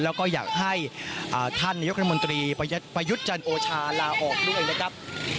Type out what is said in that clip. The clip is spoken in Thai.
แล้วก็อยากให้ท่านยกธรรมนตรีประยุทธ์จันทร์โอชาลลาออกลุ้งเองนะครับ